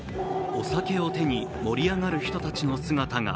お酒を手に盛り上がる人たちの姿が。